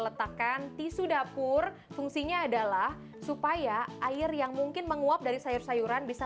letakkan tisu dapur fungsinya adalah supaya air yang mungkin menguap dari sayur sayuran bisa